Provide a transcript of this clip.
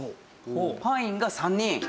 パインが３人。